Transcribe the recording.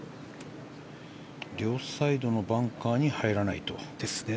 両サイドのバンカーに入らないと。